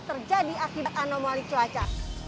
terjadi akibat anomali cuaca